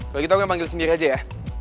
kalau gitu aku panggil sendiri aja ya